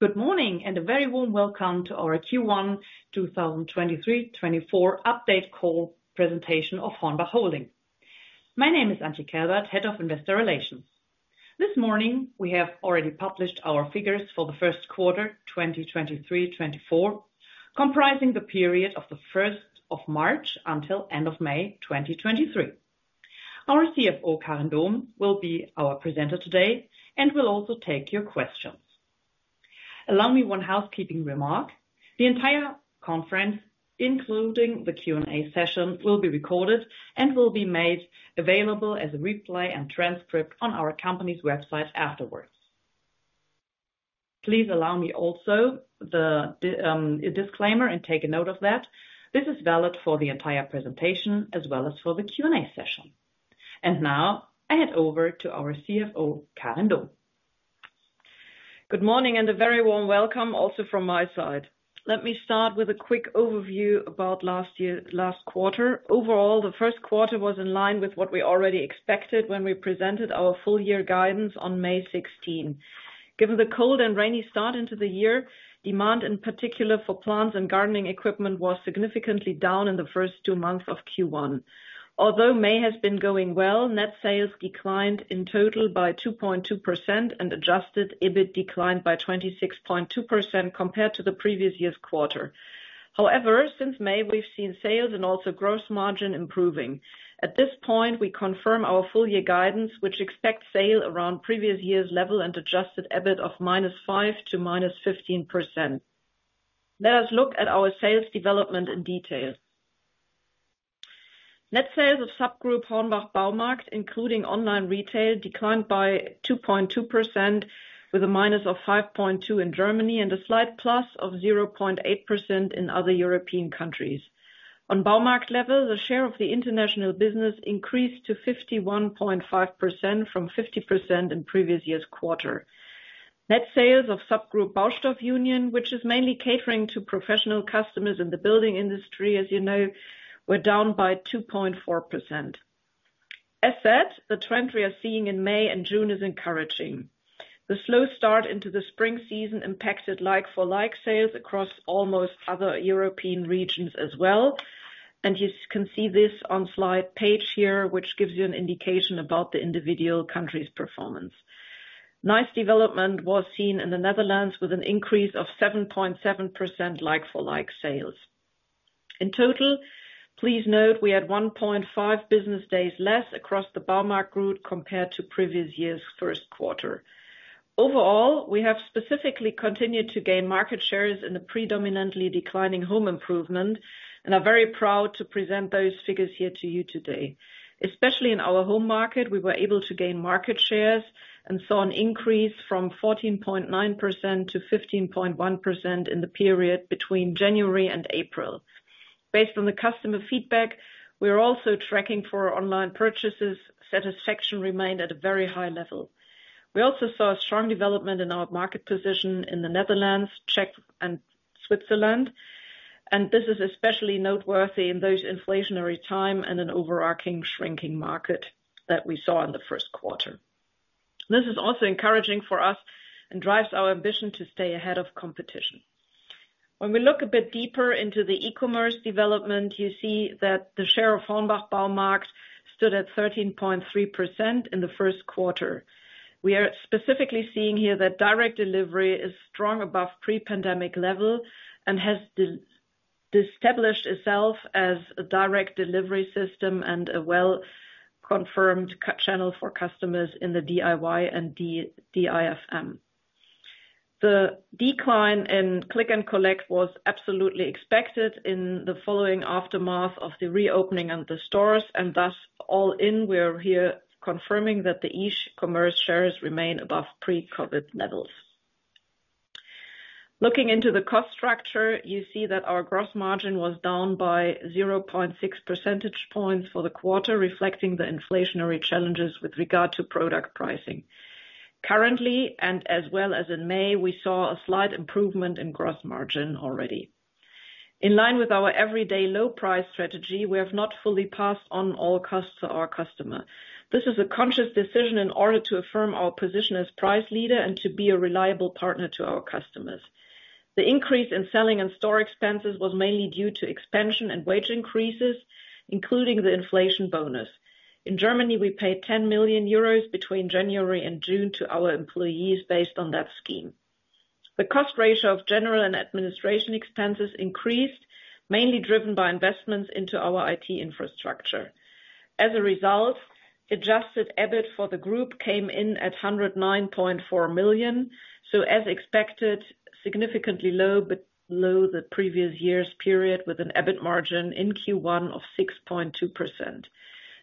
Good morning, and a very warm Welcome to Our Q1 2023/2024 Update Call Presentation of HORNBACH Holding. My name is Antje Kelbert, Head of Investor Relations. This morning, we have already published our figures for the first quarter, 2023/2024, comprising the period of the 1st of March until end of May 2023. Our CFO, Karin Dohm, will be our presenter today and will also take your questions. Allow me one housekeeping remark. The entire conference, including the Q&A session, will be recorded and will be made available as a replay and transcript on our company's website afterwards. Please allow me also the disclaimer and take a note of that. This is valid for the entire presentation as well as for the Q&A session. Now, I hand over to our CFO, Karin Dohm. Good morning, a very warm welcome also from my side. Let me start with a quick overview about last year, last quarter. Overall, the first quarter was in line with what we already expected when we presented our full year guidance on May 16. Given the cold and rainy start into the year, demand, in particular for plants and gardening equipment, was significantly down in the first two months of Q1. Although May has been going well, net sales declined in total by 2.2% and adjusted EBIT declined by 26.2% compared to the previous year's quarter. Since May, we've seen sales and also gross margin improving. At this point, we confirm our full year guidance, which expects sale around previous year's level and adjusted EBIT of -5% to -15%. Let us look at our sales development in detail. Net sales of subgroup HORNBACH Baumarkt, including online retail, declined by 2.2%, with a minus of 5.2% in Germany and a slight plus of 0.8% in other European countries. On Baumarkt level, the share of the international business increased to 51.5% from 50% in previous year's quarter. Net sales of subgroup Baustoff Union, which is mainly catering to professional customers in the building industry, as you know, were down by 2.4%. As said, the trend we are seeing in May and June is encouraging. The slow start into the spring season impacted like-for-like sales across almost other European regions as well. You can see this on slide page here, which gives you an indication about the individual country's performance. Nice development was seen in the Netherlands with an increase of 7.7% like-for-like sales. In total, please note we had 1.5 business days less across the Baumarkt Group compared to previous year's first quarter. Overall, we have specifically continued to gain market shares in the predominantly declining home improvement, and are very proud to present those figures here to you today. Especially in our home market, we were able to gain market shares and saw an increase from 14.9% to 15.1% in the period between January and April. Based on the customer feedback, we are also tracking for online purchases. Satisfaction remained at a very high level. We also saw a strong development in our market position in the Netherlands, Czech, and Switzerland, and this is especially noteworthy in those inflationary time and an overarching shrinking market that we saw in the first quarter. This is also encouraging for us and drives our ambition to stay ahead of competition. When we look a bit deeper into the e-commerce development, you see that the share of HORNBACH Baumarkt stood at 13.3% in the first quarter. We are specifically seeing here that direct delivery is strong above pre-pandemic level and has deestablished itself as a direct delivery system and a well-confirmed channel for customers in the DIY and DIFM. The decline in Click-and-Collect was absolutely expected in the following aftermath of the reopening of the stores, and thus, all in, we are here confirming that the e-commerce shares remain above pre-COVID levels. Looking into the cost structure, you see that our gross margin was down by 0.6 percentage points for the quarter, reflecting the inflationary challenges with regard to product pricing. Currently, and as well as in May, we saw a slight improvement in gross margin already. In line with our everyday low price strategy, we have not fully passed on all costs to our customer. This is a conscious decision in order to affirm our position as price leader and to be a reliable partner to our customers. The increase in selling and store expenses was mainly due to expansion and wage increases, including the inflation bonus. In Germany, we paid 10 million euros between January and June to our employees based on that scheme. The cost ratio of general and administration expenses increased, mainly driven by investments into our IT infrastructure. As a result, adjusted EBIT for the group came in at 109.4 million. As expected, significantly low, but below the previous year's period, with an EBIT margin in Q1 of 6.2%.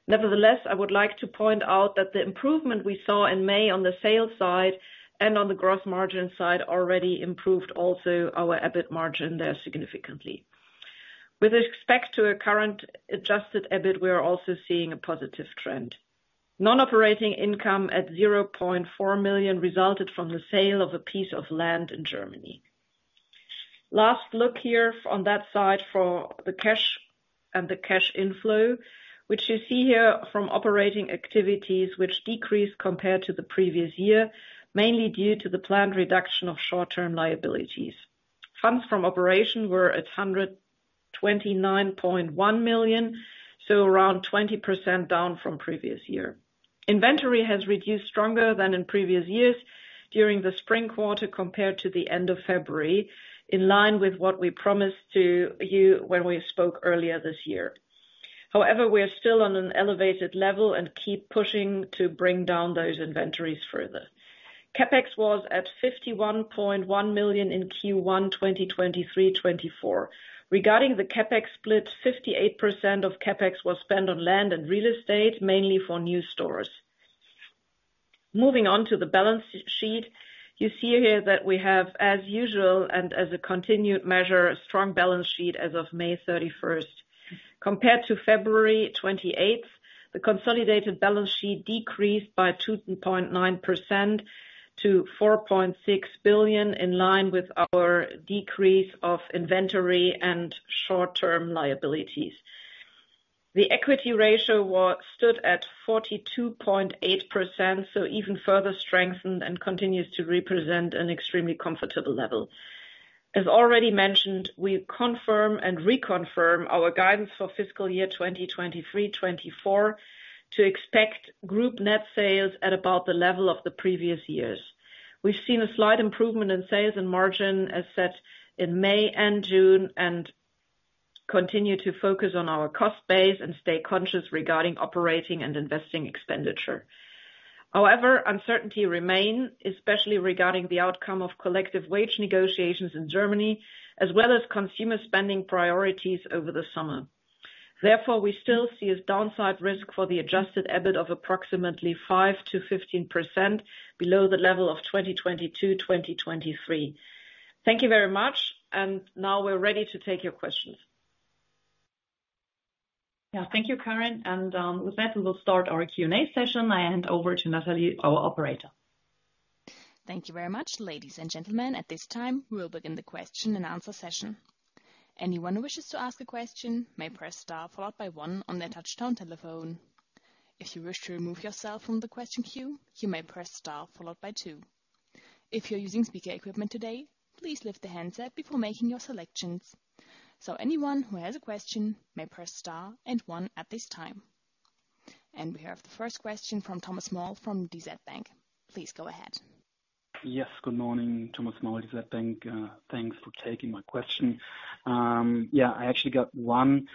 [Nevertheless,] I would like to point out that the improvement we saw in May on the sales side and on the gross margin side already improved also our EBIT margin there significantly. With respect to a current adjusted EBIT, we are also seeing a positive trend. Non-operating income at 0.4 million resulted from the sale of a piece of land in Germany. Last look here on that side for the cash and the cash inflow, which you see here from operating activities, which decreased compared to the previous year, mainly due to the planned reduction of short-term liabilities. Funds from operation were at 129.1 million, so around 20% down from previous year. Inventory has reduced stronger than in previous years during the spring quarter compared to the end of February, in line with what we promised to you when we spoke earlier this year. We are still on an elevated level and keep pushing to bring down those inventories further. CapEx was at 51.1 million in Q1 2023/2024. Regarding the CapEx split, 58% of CapEx was spent on land and real estate, mainly for new stores. Moving on to the balance sheet, you see here that we have, as usual, and as a continued measure, a strong balance sheet as of May 31st. Compared to February 28th, the consolidated balance sheet decreased by 2.9% to 4.6 billion, in line with our decrease of inventory and short-term liabilities. The equity ratio stood at 42.8%, so even further strengthened and continues to represent an extremely comfortable level. As already mentioned, we confirm and reconfirm our guidance for fiscal year 2023/2024, to expect group net sales at about the level of the previous years. We've seen a slight improvement in sales and margin, as said, in May and June, and continue to focus on our cost base and stay conscious regarding operating and investing expenditure. However, uncertainty remain, especially regarding the outcome of collective wage negotiations in Germany, as well as consumer spending priorities over the summer. Therefore, we still see a downside risk for the adjusted EBIT of approximately 5%-15% below the level of 2022/2023. Thank you very much, and now we're ready to take your questions. Yeah. Thank you, Karin, with that, we'll start our Q&A session. I hand over to Natalie, our operator. Thank you very much, ladies and gentlemen. At this time, we will begin the question and answer session. Anyone who wishes to ask a question may press star followed by one on their touchtone telephone. If you wish to remove yourself from the question queue, you may press star followed by two. If you're using speaker equipment today, please lift the handset before making your selections. Anyone who has a question may press star and one at this time. We have the first question from Thomas Maul from DZ Bank. Please go ahead. Yes, good morning, Thomas Maul, DZ Bank. Thanks for taking my question. I actually got one.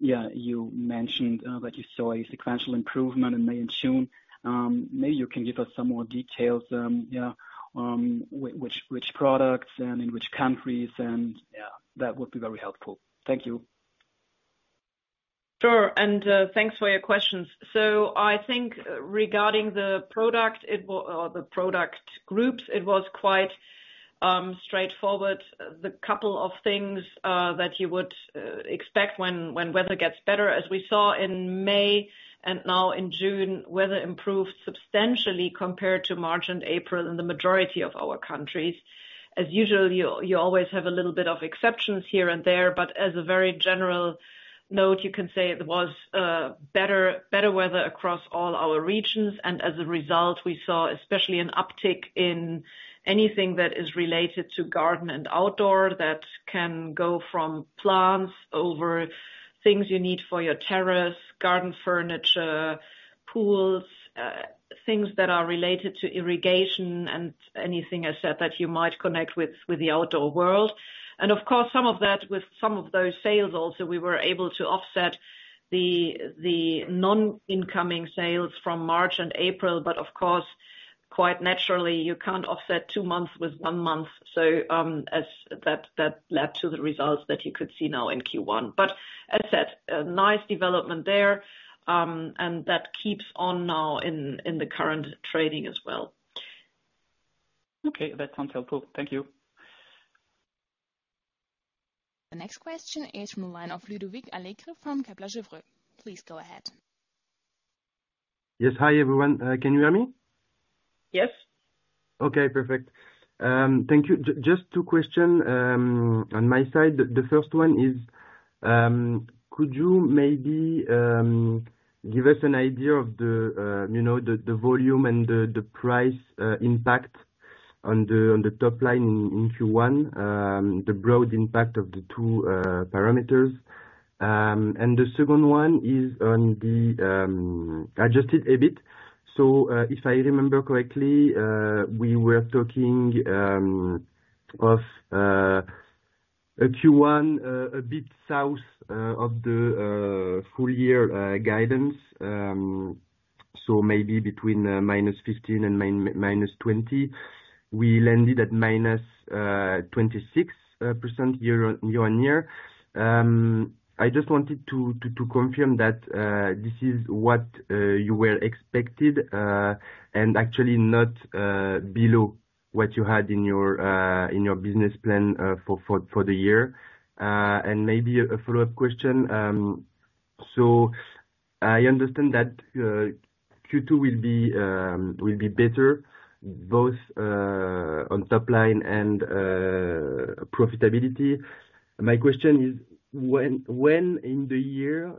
You mentioned that you saw a sequential improvement in May and June. Maybe you can give us some more details, which products and in which countries? That would be very helpful. Thank you. Sure, thanks for your questions. I think regarding the product, or the product groups, it was quite straightforward. The couple of things that you would expect when weather gets better, as we saw in May and now in June, weather improved substantially compared to March and April in the majority of our countries. As usual, you always have a little bit of exceptions here and there, but as a very general note, you can say it was better weather across all our regions. As a result, we saw especially an uptick in anything that is related to garden and outdoor that can go from plants, over things you need for your terrace, garden furniture, pools, things that are related to irrigation and anything, as said, that you might connect with the outdoor world. Of course, some of that, with some of those sales also, we were able to offset the non-incoming sales from March and April. Of course, quite naturally, you can't offset 2 months with 1 month. As that led to the results that you could see now in Q1. As said, a nice development there, and that keeps on now in the current trading as well. Okay, that sounds helpful. Thank you. The next question is from the line of Ludovic Allègre from Kepler Cheuvreux. Please go ahead. Yes, hi, everyone. Can you hear me? Yes. Okay, perfect. Thank you. Just two question on my side. The first one is, could you maybe give us an idea of the, you know, the volume and the price impact on the top line in Q1, the broad impact of the two parameters? The second one is on the adjusted EBIT. If I remember correctly, we were talking of a Q1 a bit south of the full year guidance. Maybe between -15 and -20. We landed at -26% year-on-year. I just wanted to confirm that this is what you were expected, and actually not below what you had in your business plan for the year. Maybe a follow-up question. I understand that Q2 will be better, both on top line and profitability. My question is, when in the year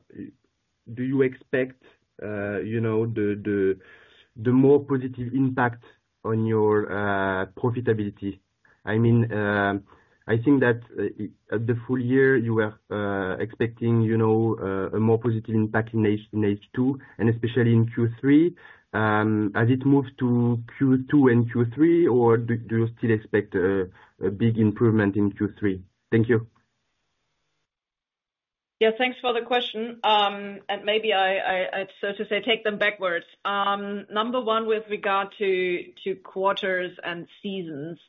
do you expect, you know, the more positive impact on your profitability? I mean, I think that at the full year, you were expecting, you know, a more positive impact in H2, and especially in Q3. As it moves to Q2 and Q3, or do you still expect a big improvement in Q3? Thank you. Yeah, thanks for the question. Maybe I'd so to say, take them backwards. Number one, with regard to quarters and seasons,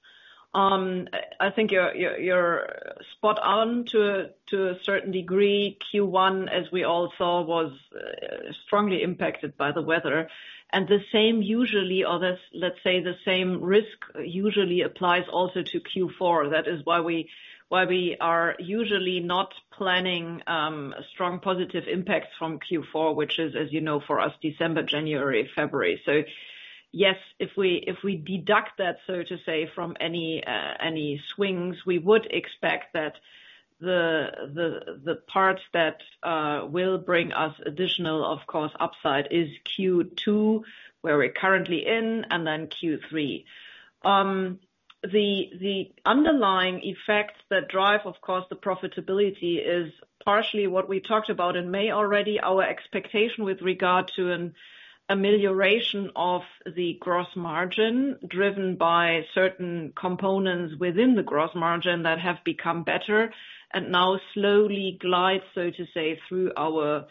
I think you're spot on to a certain degree. Q1, as we all saw, was strongly impacted by the weather. The same usually, or let's say the same risk usually applies also to Q4. That is why we are usually not planning a strong positive impact from Q4, which is, as you know, for us, December, January, February. Yes, if we deduct that, so to say, from any swings, we would expect that the parts that will bring us additional, of course, upside is Q2, where we're currently in, and then Q3. The, the underlying effects that drive, of course, the profitability is partially what we talked about in May already. Our expectation with regard to an amelioration of the gross margin, driven by certain components within the gross margin that have become better, and now slowly glide, so to say, through our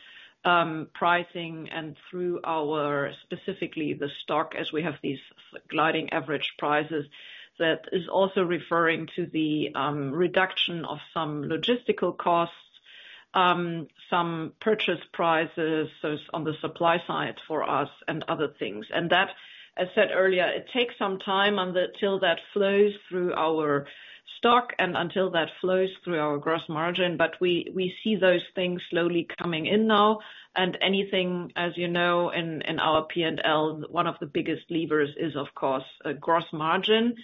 pricing and through our, specifically the stock, as we have these moving average prices, that is also referring to the reduction of some logistical costs, some purchase prices, so on the supply side for us and other things. That, as said earlier, it takes some time till that flows through our stock and until that flows through our gross margin. We, we see those things slowly coming in now. Anything, as you know, in our P&L, one of the biggest levers is of course, a gross margin.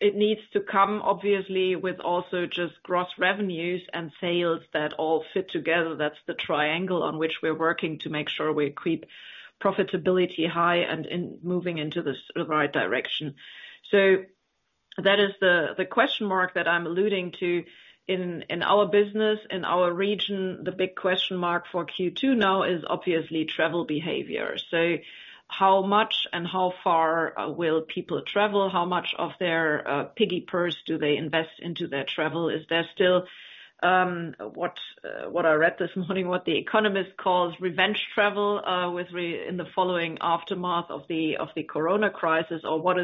It needs to come obviously, with also just gross revenues and sales that all fit together. That's the triangle on which we're working to make sure we keep profitability high and in moving into the right direction. That is the question mark that I'm alluding to. In our business, in our region, the big question mark for Q2 now is obviously travel behavior. How much and how far will people travel? How much of their piggy purse do they invest into their travel? Is there still what I read this morning, what The Economist calls revenge travel in the following aftermath of the corona crisis, or what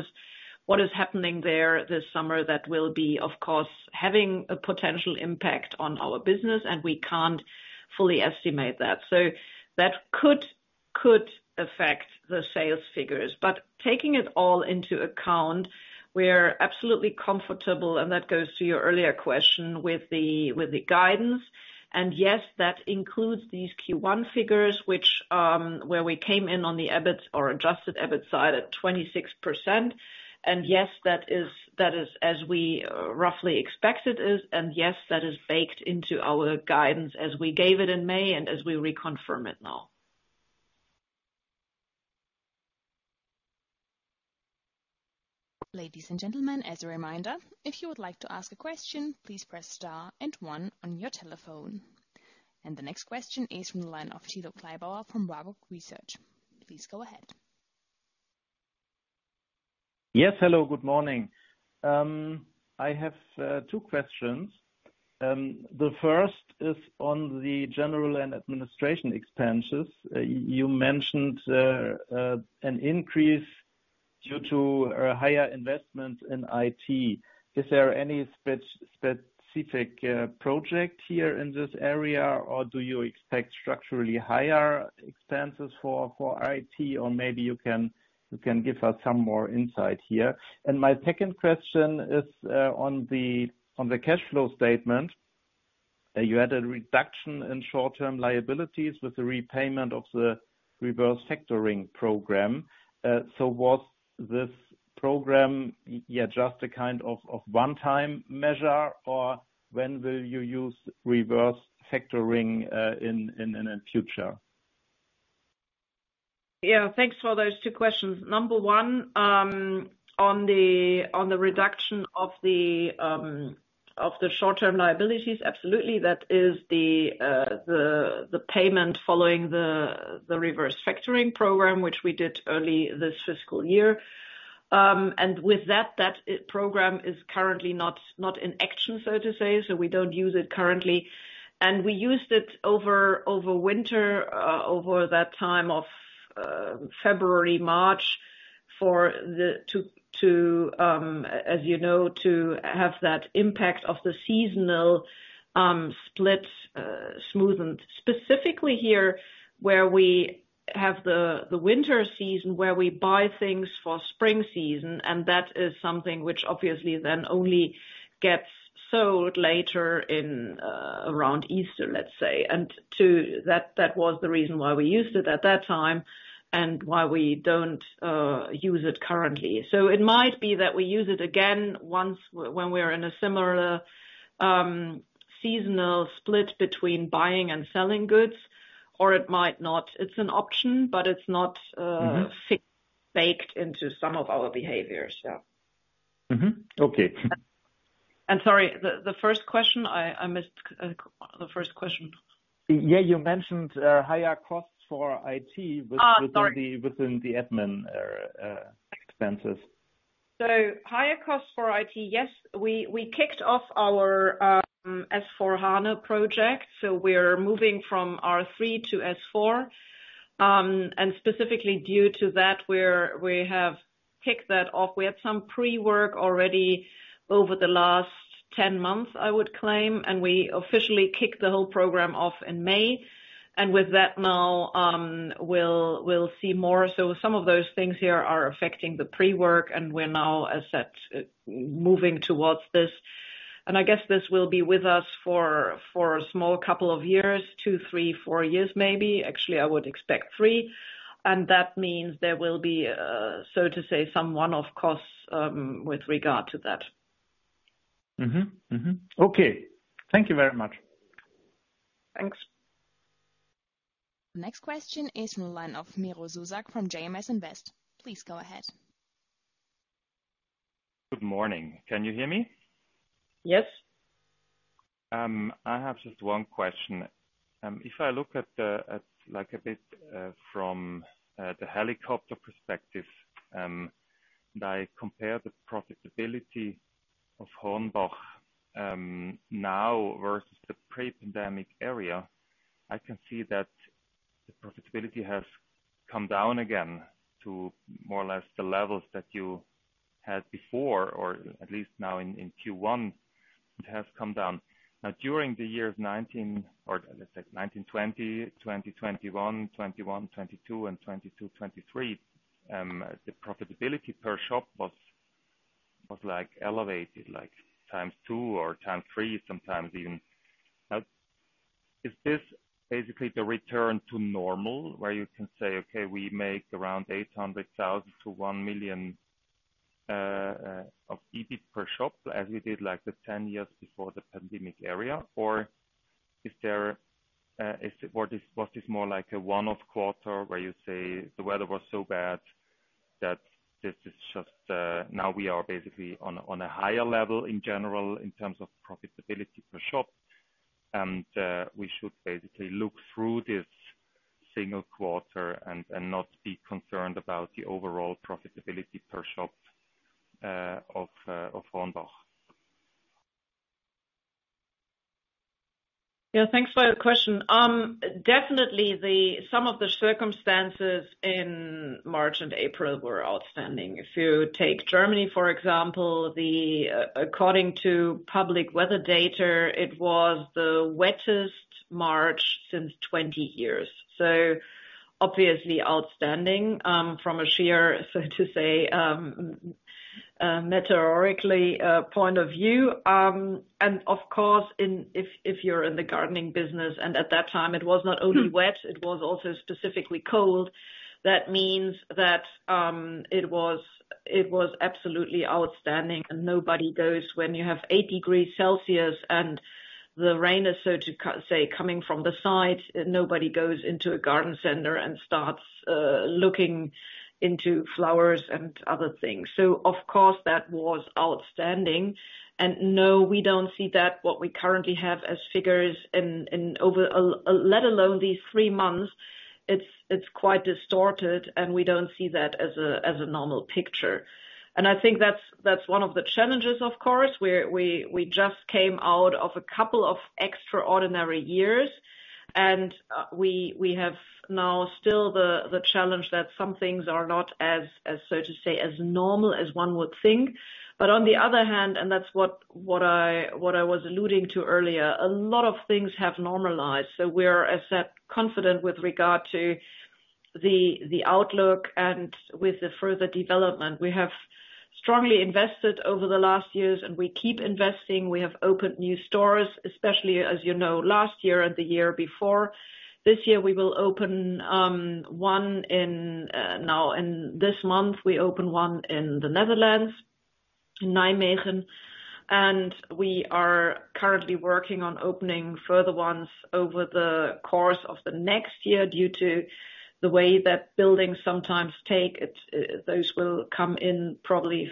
is happening there this summer that will be, of course, having a potential impact on our business, and we can't fully estimate that. That could affect the sales figures. Taking it all into account, we're absolutely comfortable, and that goes to your earlier question with the guidance. Yes, that includes these Q1 figures, which, where we came in on the EBIT or adjusted EBIT side at 26%. Yes, that is, as we roughly expected it is, and yes, that is baked into our guidance as we gave it in May and as we reconfirm it now. Ladies and gentlemen, as a reminder, if you would like to ask a question, please press star and one on your telephone. The next question is from the line of Thilo Kleibauer from Warburg Research. Please go ahead. Yes, hello, good morning. I have two questions. The first is on the general and administration expenses. You mentioned an increase due to a higher investment in IT. Is there any specific project here in this area, or do you expect structurally higher expenses for IT? Maybe you can give us some more insight here. My second question is on the cash flow statement. You had a reduction in short-term liabilities with the repayment of the reverse factoring program. Was this program, yeah, just a kind of one-time measure, or when will you use reverse factoring in the future? Yeah, thanks for those 2 questions. Number 1, on the reduction of the short-term liabilities, absolutely. That is the payment following the reverse factoring program, which we did early this fiscal year. With that program is currently not in action, so to say, so we don't use it currently. We used it over winter, over that time of February, March, for the, as you know, to have that impact of the seasonal split smoothened. Specifically here, where we have the winter season where we buy things for spring season, and that is something which obviously then only gets sold later in around Easter, let's say. To, that was the reason why we used it at that time and why we don't use it currently. It might be that we use it again once when we're in a similar seasonal split between buying and selling goods, or it might not. It's an option, but it's not. Mm-hmm baked into some of our behaviors. Yeah. Mm-hmm. Okay. Sorry, I missed the first question. Yeah, you mentioned, higher costs for IT- Sorry. Within the admin expenses. Higher costs for IT, yes. We kicked off our S/4HANA project, so we're moving from R/3 to S/4. specifically due to that, we have kicked that off. We had some pre-work already over the last 10 months, I would claim, and we officially kicked the whole program off in May. with that now, we'll see more. some of those things here are affecting the pre-work, and we're now, as said, moving towards this. I guess this will be with us for a small couple of years, 2, 3, 4 years, maybe. Actually, I would expect 3. that means there will be so to say, some one-off costs with regard to that. Mm-hmm, mm-hmm. Okay, thank you very much. Thanks. Next question is in line of Miro Zuzak from JMS Invest. Please go ahead. Good morning. Can you hear me? Yes. I have just one question. I compare the profitability of HORNBACH now versus the pre-pandemic area, I can see that the profitability has come down again to more or less the levels that you had before, or at least now in Q1, it has come down. During the year 2019/2020/2021/2022, and 2022/2023, the profitability per shop was like elevated, like, times two or times three, sometimes even. Is this basically the return to normal, where you can say: "Okay, we make around 800,000 million-1 million of EBIT per shop, as we did, like, the 10 years before the pandemic area?" Is this more like a one-off quarter, where you say the weather was so bad that this is just, now we are basically on a higher level in general in terms of profitability per shop, and we should basically look through this single quarter and not be concerned about the overall profitability per shop of HORNBACH? Yeah, thanks for the question. Definitely some of the circumstances in March and April were outstanding. If you take Germany, for example, according to public weather data, it was the wettest March since 20 years. Obviously outstanding from a sheer, so to say, meteorically point of view. Of course, if you're in the gardening business, and at that time it was not only wet, it was also specifically cold. That means that it was absolutely outstanding, and nobody goes when you have 80 degrees Celsius and the rain is, so to say, coming from the side, nobody goes into a garden center and starts looking into flowers and other things. Of course, that was outstanding. No, we don't see that what we currently have as figures in over let alone these three months, it's quite distorted, and we don't see that as a normal picture. I think that's one of the challenges, of course. We just came out of a couple of extraordinary years, and we have now still the challenge that some things are not as so to say, as normal as one would think. On the other hand, and that's what I was alluding to earlier, a lot of things have normalized. We're, as said, confident with regard to the outlook and with the further development. We have strongly invested over the last years, and we keep investing. We have opened new stores, especially, as you know, last year and the year before. This year, we will open, one in now, in this month, we opened one in the Netherlands, in Nijmegen, and we are currently working on opening further ones over the course of the next year. Due to the way that buildings sometimes take, it's, those will come in probably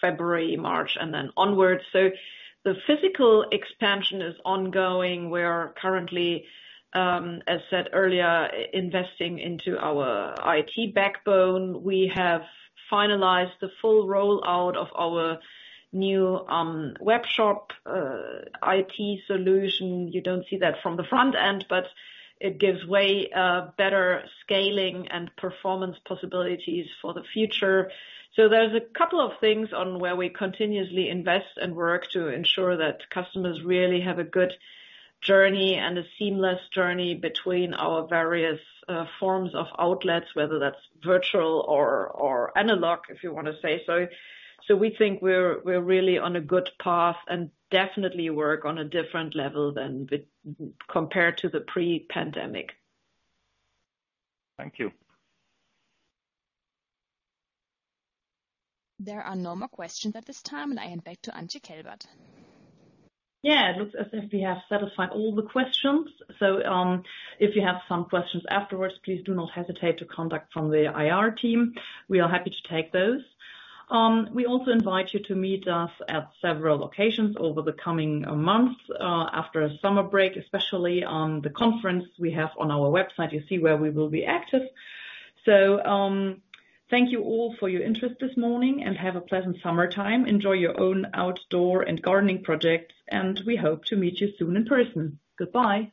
February, March, and then onwards. The physical expansion is ongoing. We are currently, as said earlier, investing into our IT backbone. We have finalized the full rollout of our new webshop IT solution. You don't see that from the front end, but it gives way, better scaling and performance possibilities for the future. There's a couple of things on where we continuously invest and work to ensure that customers really have a good journey and a seamless journey between our various forms of outlets, whether that's virtual or analog, if you want to say so. We think we're really on a good path and definitely work on a different level than compared to the pre-pandemic. Thank you. There are no more questions at this time, and I hand back to Antje Kelbert. Yeah, it looks as if we have satisfied all the questions. If you have some questions afterwards, please do not hesitate to contact from the IR team. We are happy to take those. We also invite you to meet us at several locations over the coming months after a summer break, especially on the conference we have on our website, you see where we will be active. Thank you all for your interest this morning, and have a pleasant summertime. Enjoy your own outdoor and gardening projects, and we hope to meet you soon in person. Goodbye!